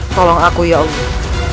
tolong aku ya allah